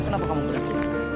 kenapa kamu berhenti